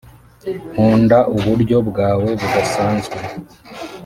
nkunda uburyo bwawe budasanzwe